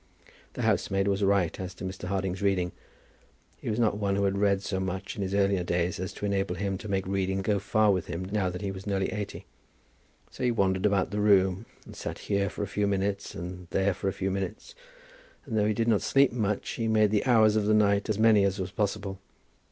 The housemaid was right as to Mr. Harding's reading. He was not one who had read so much in his earlier days as to enable him to make reading go far with him now that he was near eighty. So he wandered about the room, and sat here for a few minutes, and there for a few minutes, and though he did not sleep much, he made the hours of the night as many as was possible.